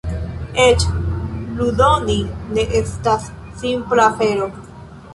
Eĉ ludoni ne estas simpla afero.